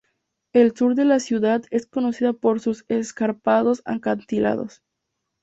El sur de la ciudad es conocida por sus escarpados acantilados.